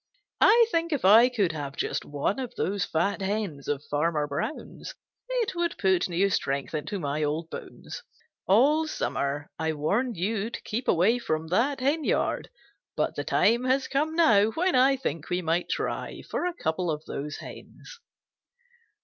I think if I could have just one of those fat hens of Farmer Brown's, it would put new strength into my old bones. All summer I warned you to keep away from that henyard, but the time has come now when I think we might try for a couple of those hens."